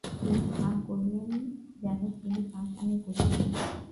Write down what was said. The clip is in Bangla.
তিনি ভান করিলেন যেন তিনি পাষাণে গঠিত!